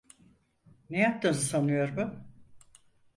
Ne yaptığını sanıyor bu?